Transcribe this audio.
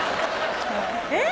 えっ？